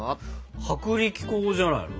薄力粉じゃないの？